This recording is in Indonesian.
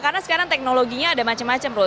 karena sekarang teknologinya ada macam macam bro